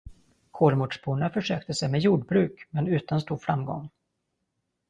Kolmårdsborna försökte sig med jordbruk, men utan stor framgång.